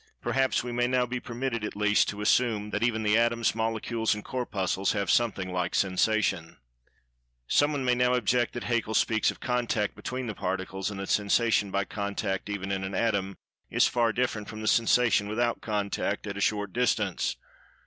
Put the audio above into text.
Perhaps we may now be permitted at least to "assume" that even the Atoms, Molecules and Corpuscles have "something like sensation." Some one may now object that Haeckel speaks of "contact" between the particles, and that sensation by contact (even in an atom) is far different from sensation without contact, at a short distance.